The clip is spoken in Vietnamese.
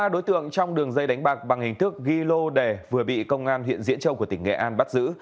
một mươi ba đối tượng trong đường dây đánh bạc bằng hình thức ghi lô đẻ vừa bị công an huyện diễn châu của tỉnh nghệ an bắt giữ